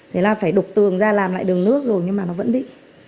thế là phải đục tường ra làm lại đường nước rồi nhưng mà nó vẫn bị